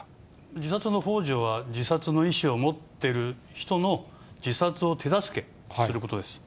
自殺のほう助は自殺の意思を持ってる人の自殺を手助けすることです。